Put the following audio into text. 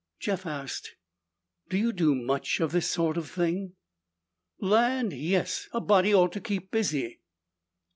Jeff asked, "Do you do much of this sort of thing?" "Land, yes! A body ought to keep busy!"